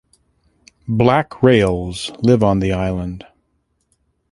Black rails live on the island.